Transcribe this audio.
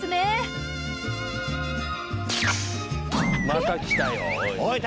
また来たよおい。